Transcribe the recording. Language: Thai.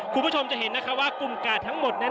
คุณผู้ชมจะเห็นนะคะว่ากลุ่มกาดทั้งหมดนั้น